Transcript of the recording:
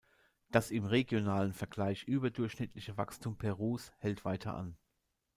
Das im regionalen Vergleich überdurchschnittliche Wachstum Perus hält weiter an.